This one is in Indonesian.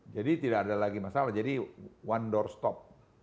jadi tidak ada lagi masalah jadi one door stop